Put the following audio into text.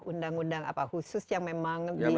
undang undang apa khusus yang memang dibuat untuk